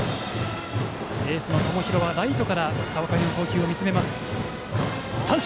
エースの友廣はライトから川上の投球を見つめます。